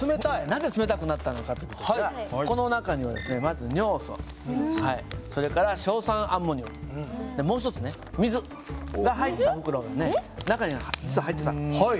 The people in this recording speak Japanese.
なぜ冷たくなったのかという事ですがこの中にはですねまず尿素それから硝酸アンモニウムもう一つ水が入った袋が中に実は入ってた。